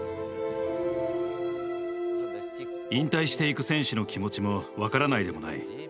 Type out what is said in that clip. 引退していく選手の気持ちも分からないでもない。